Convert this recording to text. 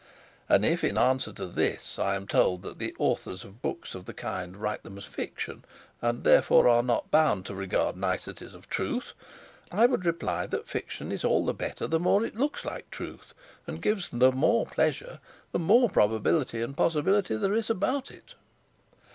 And if, in answer to this, I am told that the authors of books of the kind write them as fiction, and therefore are not bound to regard niceties of truth, I would reply that fiction is all the better the more it looks like truth, and gives the more pleasure the more probability and possibility there is about it.